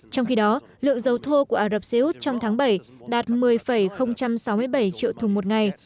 trong khi đó lượng dầu thô của ả rập xê út trong tháng bảy đạt một mươi sáu mươi bảy triệu thùng một ngày